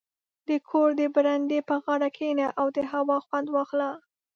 • د کور د برنډې پر غاړه کښېنه او د هوا خوند واخله.